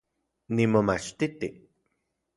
Nimomachtiti